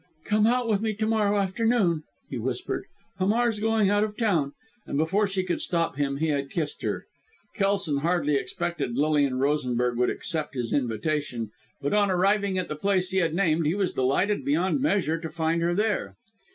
"Come out with me to morrow afternoon," he whispered. "Hamar's going out of town!" And before she could stop him he had kissed her. Kelson hardly expected Lilian Rosenberg would accept his invitation, but on arriving at the place he had named, he was delighted beyond measure to find her there.